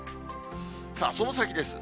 さあ、その先です。